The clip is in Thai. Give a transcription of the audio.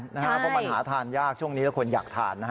เพราะมันหาทานยากช่วงนี้แล้วคนอยากทาน